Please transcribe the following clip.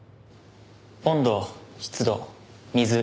温度湿度水光。